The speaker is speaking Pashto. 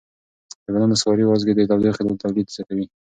د بدن نسواري وازګې د تودوخې تولید زیاتوي.